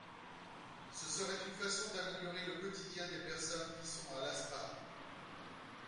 Ce serait une façon d’améliorer le quotidien des personnes qui sont à l’ASPA.